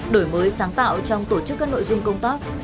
đổi mới sáng tạo trong tổ chức các nội dung công tác